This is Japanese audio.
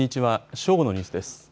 正午のニュースです。